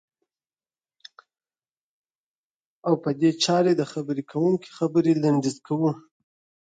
او په دې چارې د خبرې کوونکي خبرې لنډی ز کوو.